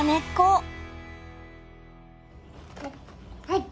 はい！